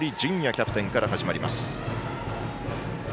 キャプテンから始まります。